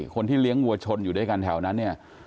คนที่เลี้ยงวัวชนอยู่ด้วยกันแถวนั้นเนี่ย